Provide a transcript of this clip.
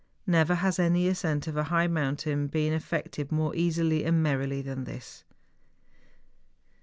Never has any ascent of a high mountain been effected more easily and merrily than this.